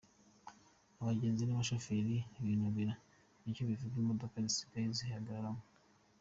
Abagenzi n’abashoferi binubira icyo kibuga imodoka zisigaye zihagararamo.